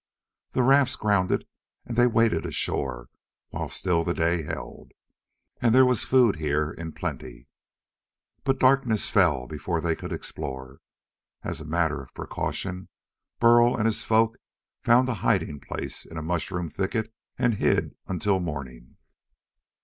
The rafts grounded and they waded ashore while still the day held. And there was food here in plenty. But darkness fell before they could explore. As a matter of precaution Burl and his folk found a hiding place in a mushroom thicket and hid until morning.